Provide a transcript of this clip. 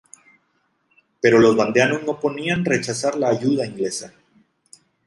Pero los vandeanos no ponían rechazar la ayuda inglesa.